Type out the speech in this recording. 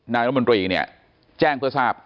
นายรัฐมนตรีเนี่ยแจ้งเพื่อทราบ